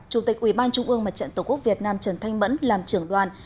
chủ tịch ubnd tổ quốc việt nam trần thanh mẫn làm trưởng đoàn